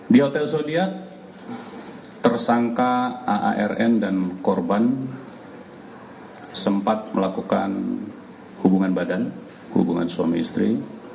di hotel sodia tersangka aarn dan korban sempat melakukan hubungan badan hubungan suami istri